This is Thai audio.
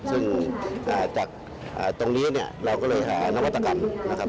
ซึ่งจากตรงนี้เนี่ยเราก็เลยหานวัตกรรมนะครับ